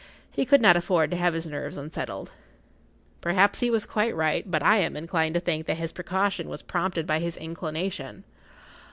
He could not afford to have his nerves unsettled. Perhaps he was quite right, but I am inclined to think that his precaution was prompted by his inclination.